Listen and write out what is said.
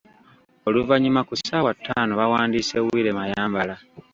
Oluvanyuma ku ssaawa ttaano bawandiise Willy Mayambala.